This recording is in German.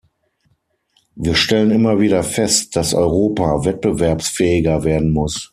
Wir stellen immer wieder fest, dass Europa wettbewerbsfähiger werden muss.